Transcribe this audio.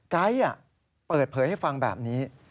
ไก๊เปิดเผยให้ฟังแบบนี้